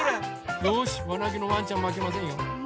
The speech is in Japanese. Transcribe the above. よしわなげのワンちゃんまけませんよ。